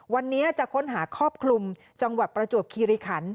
วันนี้จะค้นหาครอบคลุมจังหวัดประจวบคีริขัน